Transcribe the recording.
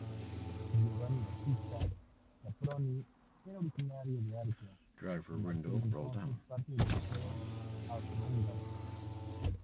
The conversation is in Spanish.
Giovanni Battista Caproni era originario de Arco, en aquel entonces parte del Imperio austrohúngaro.